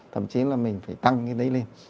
thậm chí là mình phải tăng cái đấy lên